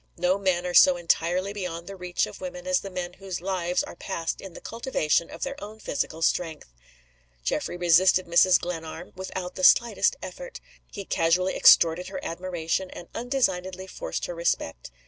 No men are so entirely beyond the reach of women as the men whose lives are passed in the cultivation of their own physical strength. Geoffrey resisted Mrs. Glenarm without the slightest effort. He casually extorted her admiration, and undesignedly forced her respect.